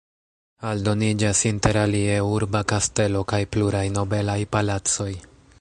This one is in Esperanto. Aldoniĝas inter alie urba kastelo kaj pluraj nobelaj palacoj.